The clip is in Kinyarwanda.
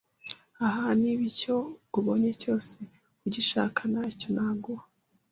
Aha niba icyo ubonye cyose ugishaka ntacyo naguha